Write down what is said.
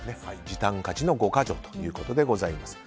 時短家事の５か条ということでございます。